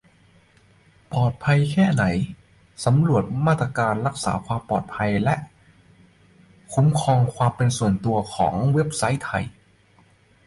ปลอดภัยแค่ไหน ? : ผลสำรวจมาตรการรักษาความปลอดภัยและคุ้มครองความเป็นส่วนตัวของเว็บไซต์ไทย